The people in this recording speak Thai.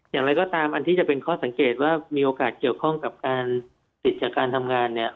อย่างไรก็ตามอันที่จะเป็นข้อสังเกตว่ามีโอกาสเกี่ยวข้องกับการติดจากการทำงานเนี่ย